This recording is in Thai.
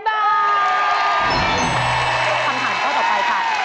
คำถามข้อต่อไปค่ะ